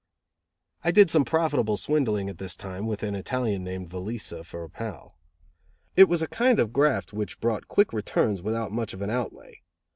I did some profitable swindling at this time, with an Italian named Velica for a pal. It was a kind of graft which brought quick returns without much of an outlay.